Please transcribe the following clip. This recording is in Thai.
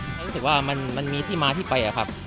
เขารู้สึกว่ามันมีที่มาที่ไปอะครับ